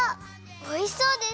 おいしそうです！